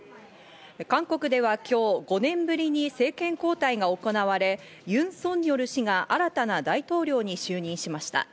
韓国では今日５年ぶりに政権交代が行われ、ユン・ソンニョル氏が新たな大統領に就任しました。